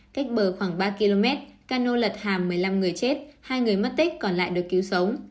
cách bờ khoảng ba km cano lật hàm một mươi năm người chết hai người mất tích còn lại được cứu sống